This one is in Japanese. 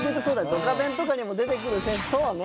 『ドカベン』とかにも出てくる選手そうね。